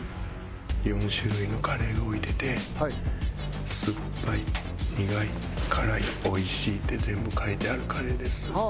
４種類のカレーを入れて「酸っぱい」「苦い」「辛い」「おいしい」って全部書いてあるカレーです。